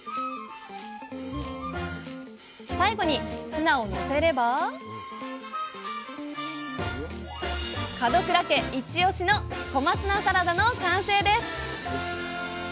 最後にツナをのせれば門倉家イチオシの「小松菜サラダ」の完成です！